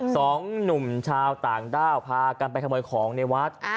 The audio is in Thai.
สองหนุ่มชาวต่างด้าวพากันไปขโมยของในวัด